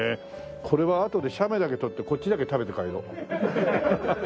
これはあとで写メだけ撮ってこっちだけ食べて帰ろう。